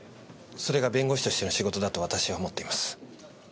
それが弁護士としての仕事だと私は思っています。